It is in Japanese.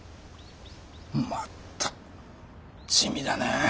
また地味だねぇ。